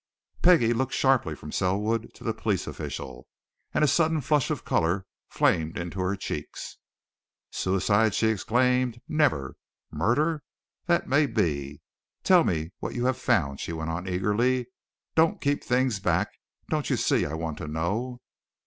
Peggie looked sharply from Selwood to the police official, and a sudden flush of colour flamed into her cheeks. "Suicide?" she exclaimed. "Never! Murder? That may be. Tell me what you have found," she went on eagerly. "Don't keep things back! don't you see I want to know?"